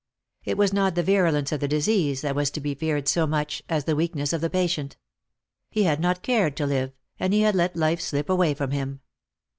It was not the virulence of the disease that was to be feared so much as the weakness of the patient. He had not cared to live, and he had let life slip away from him.